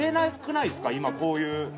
今こういう。